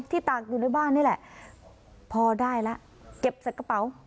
ตากอยู่ในบ้านนี่แหละพอได้แล้วเก็บใส่กระเป๋า